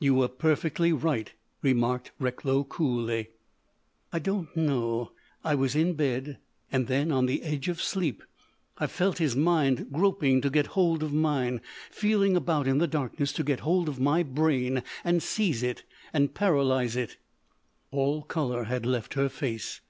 "You were perfectly right," remarked Recklow coolly. "I don't know ... I was in bed.... And then, on the edge of sleep, I felt his mind groping to get hold of mine—feeling about in the darkness to get hold of my brain and seize it and paralyse it." All colour had left her face.